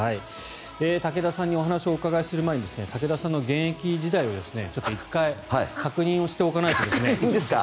武田さんにお話をお伺いする前に武田さんの現役時代をちょっと１回確認をしておかないとですね。